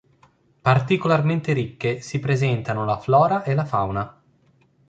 Particolarmente ricche si presentano la flora e la fauna.